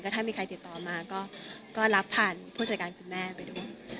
ถ้ามีใครติดต่อมาก็รับผ่านผู้จัดการคุณแม่ไปด้วย